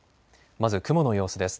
まず雲の様子です。